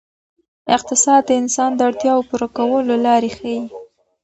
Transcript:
اقتصاد د انسان د اړتیاوو پوره کولو لارې ښيي.